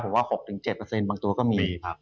ผมว่า๖๗บางตัวก็มี